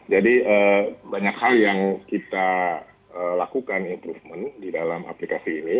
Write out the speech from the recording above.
jadi banyak hal yang kita lakukan improvement di dalam aplikasi ini